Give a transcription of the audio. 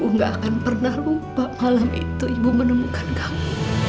aku gak akan pernah lupa malam itu ibu menemukan kamu